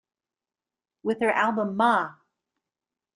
With her album Ma!